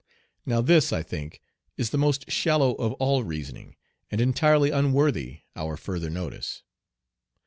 Now this, I think, is the most shallow of all reasoning and entirely unworthy our further notice.